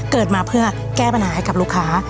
เกิดมาเพื่อแก้ปัญหาให้กับลูกค้า